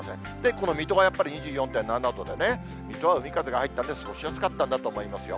この水戸がやっぱり２４．７度でね、水戸は海風が入ったんで、過ごしやすかったんだと思いますよ。